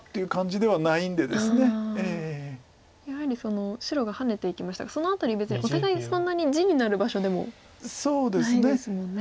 やはり白がハネていきましたがその辺り別にお互いそんなに地になる場所でもないですもんね。